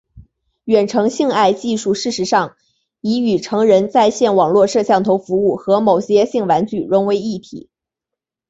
远程性爱技术事实上已与成人在线网络摄像头服务和某些性玩具融为一体。